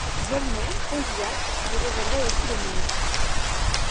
Volney, Condillac, lui révéleraient aussi le monde.